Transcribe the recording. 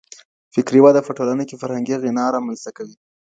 فکري وده په ټولنه کي فرهنګي غنا رامنځته کوي.